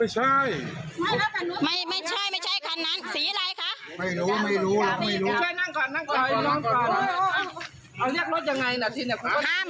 เริ่มต้นนั่งก่อนเดี๋ยวนอนก่อนห้ามลุก